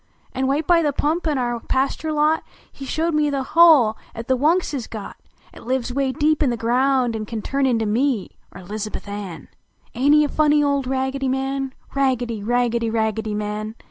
An , wite by the pump in our pasture lot, lie showed me the hole at the "YVunks is got, At lives "way deep in the ground, an can Turn into me, er Lizahuth Ann ! Aint he a funny old Raggedy Man? Raggedy! Raggedy! Raggedv Man!